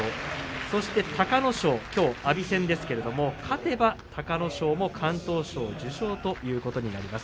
そして隆の勝、きょう阿炎戦ですけれども勝てば隆の勝も敢闘賞を受賞ということになります。